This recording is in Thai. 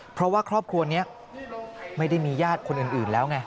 เพราะว่าครอบครัวนี้ไม่ได้มีญาติคนอื่นแล้วไง